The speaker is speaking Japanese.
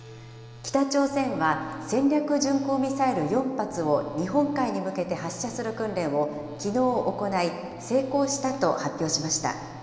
北朝鮮は、戦略巡航ミサイル４発を日本海に向けて発射する訓練をきのう行い、成功したと発表しました。